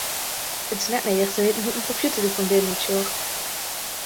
It is net nedich te witten hoe't in kompjûter der fan binnen útsjocht.